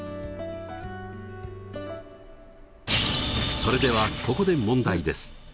それではここで問題です。